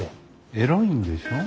エロいんでしょ。